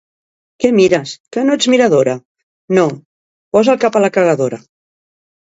—Què mires? —Que no ets miradora? —No. —Posa el cap a la cagadora!